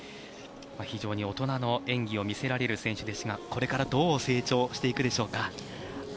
非常に大人の演技を見せられる選手ですがこれからどう成長していくでしょうか。